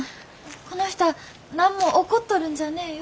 この人はなんも怒っとるんじゃねえよ。